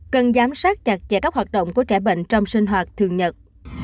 cần giám sát chặt chẽ các hoạt động của trẻ bệnh trong sinh hoạt thường nhật